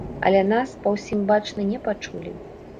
Але нас, па ўсім бачна, не пачулі.